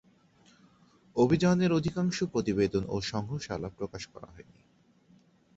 অভিযানের অধিকাংশ প্রতিবেদন ও সংগ্রহশালা প্রকাশ করা হয়নি।